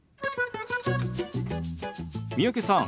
三宅さん